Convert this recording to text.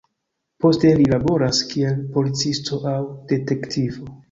Poste li laboras kiel policisto aŭ detektivo.